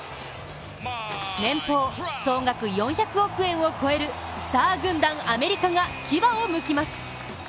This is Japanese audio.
年俸総額４００億円を超えるスター軍団・アメリカが牙をむきます。